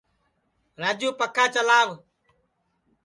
راجُو پکھا چلاوَ